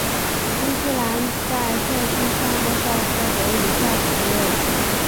新西兰在射击项目上获得以下席位。